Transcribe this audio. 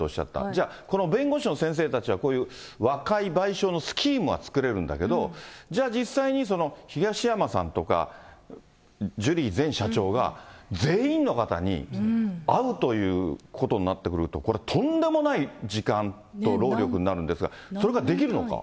じゃあ、この弁護士の先生たちはこういう和解・賠償のスキームは作れるんだけど、じゃあ、実際に東山さんとかジュリー前社長が、全員の方に会うということになってくると、これ、とんでもない時間と労力になるんですが、それができるのか。